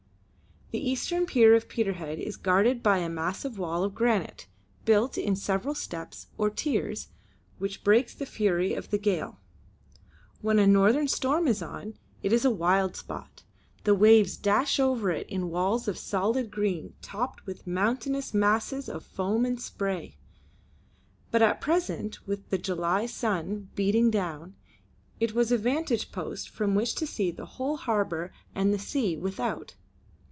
The eastern pier of Peterhead is guarded by a massive wall of granite, built in several steps or tiers, which breaks the fury of the gale. When a northern storm is on, it is a wild spot; the waves dash over it in walls of solid green topped with mountainous masses of foam and spray. But at present, with the July sun beating down, it was a vantage post from which to see the whole harbour and the sea without.